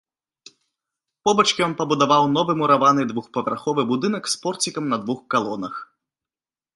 Побач ён пабудаваў новы мураваны двухпавярховы будынак з порцікам на двух калонах.